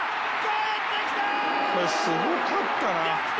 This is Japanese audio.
これすごかったな。